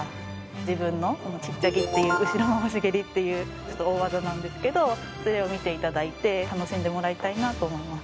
自分のチッチャギっていう後ろ回し蹴りっていう大技なんですけどそれを見て頂いて楽しんでもらいたいなと思います。